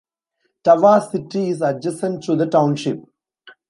Tawas City is adjacent to the township.